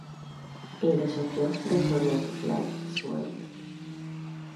Édesapja református lelkész volt.